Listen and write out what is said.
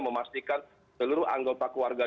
memastikan seluruh anggota keluarga